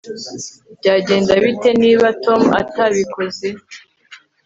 Byagenda bite niba Tom atabikoze